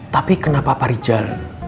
tapi kenapa pak rijal